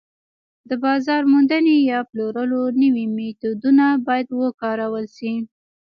د بازار موندنې یا پلورلو نوي میتودونه باید وکارول شي